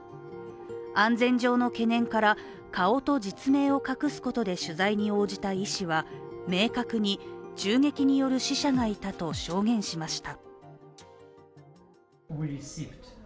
安全上の懸念から、顔と実名を隠すことで取材に応じた医師は、明確に、銃撃による死者がいたと証言しました。